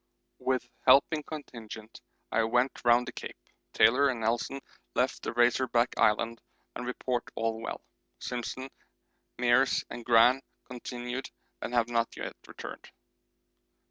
With helping contingent I went round the Cape. Taylor and Nelson left at the Razor Back Island and report all well. Simpson, Meares and Gran continued and have not yet returned.